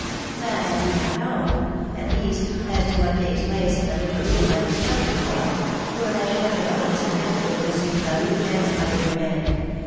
"That I do not know; at least, as to what takes place in the little room I was telling you of, where La Chouette alone is admitted with M. Bras Rouge and Mother Burette.